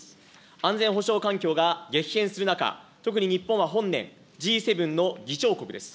安全保障環境が激変する中、特に日本は本年、Ｇ７の議長国です。